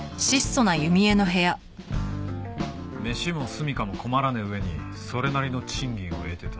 飯もすみかも困らねえ上にそれなりの賃金を得てた。